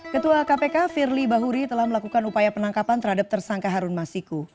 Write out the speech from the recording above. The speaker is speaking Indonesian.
ketua kpk firly bahuri telah melakukan upaya penangkapan terhadap tersangka harun masiku